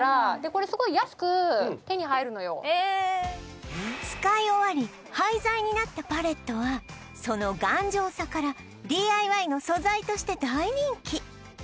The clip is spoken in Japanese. これすごい使い終わり廃材になったパレットはその頑丈さから ＤＩＹ の素材として大人気